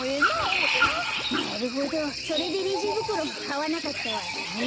なるほどそれでレジぶくろもかわなかったわけね。